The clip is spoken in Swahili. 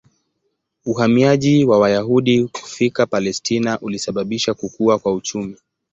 Uhamiaji wa Wayahudi kufika Palestina ulisababisha kukua kwa uchumi.